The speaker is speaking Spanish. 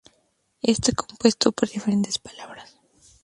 Está compuesto por diferentes palabras.